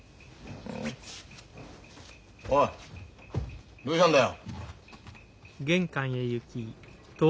おいどうしたんだよ？